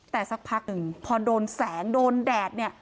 แต่สักพักหนึ่งพอโดนแสงโดนแดดเนี่ย